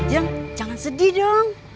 jeng jangan sedih dong